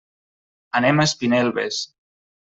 Anem a Espinelves.